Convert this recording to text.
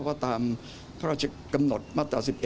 ก็ตามพระราชกำหนดมาตรา๑๑